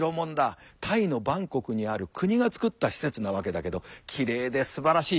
タイのバンコクにある国がつくった施設なわけだけどきれいですばらしい。